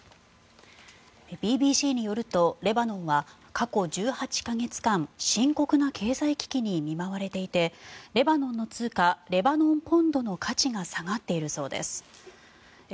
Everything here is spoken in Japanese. ＢＢＣによるとレバノンは過去１８か月間深刻な経済危機に見舞われていてレバノンの通貨レバノン・ポンドの価値が下がっているそうです。